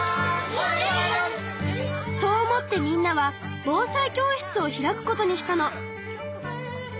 そう思ってみんなは防災教室を開くことにしたの。